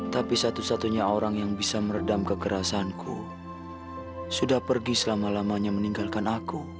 tapi satu satunya orang yang bisa meredam kekerasanku sudah pergi selama lamanya meninggalkan aku